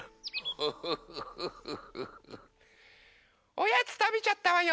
・おやつたべちゃったわよ。